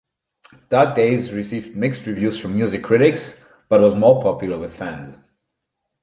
"Dark Days" received mixed reviews from music critics but was more popular with fans.